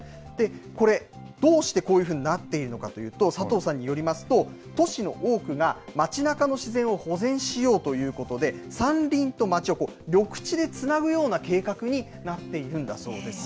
これ、どうしてこういうふうになっているのかというと、佐藤さんによりますと、都市の多くが、街なかの自然を保全しようということで、山林と街を緑地でつなぐような計画になっているんだそうです。